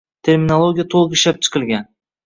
terminologiya to‘liq ishlab chiqilgan